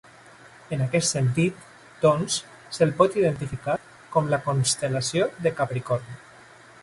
En aquest sentit, doncs, se'l pot identificar com la constel·lació de Capricorn.